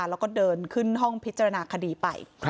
แล้วก็เดินขึ้นห้องพิจารณาคดีไป